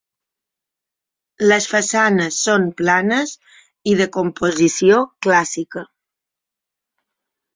Les façanes són planes i de composició clàssica.